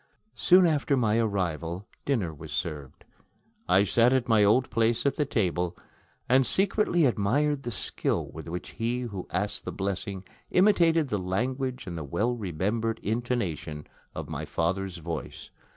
Soon after my arrival, dinner was served. I sat at my old place at the table, and secretly admired the skill with which he who asked the blessing imitated the language and the well remembered intonation of my father's voice.